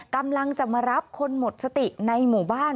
กำลังจะมารับคนหมดสติในหมู่บ้าน